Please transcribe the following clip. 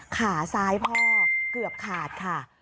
ขาซ้ายพ่อเกือบขาดค่ะ